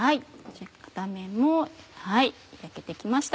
片面も焼けて来ました。